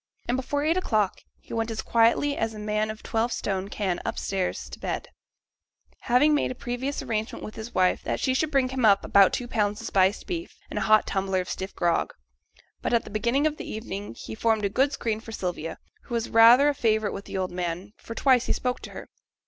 And before eight o'clock, he went as quietly as a man of twelve stone can upstairs to bed, having made a previous arrangement with his wife that she should bring him up about two pounds of spiced beef, and a hot tumbler of stiff grog. But at the beginning of the evening he formed a good screen for Sylvia, who was rather a favourite with the old man, for twice he spoke to her.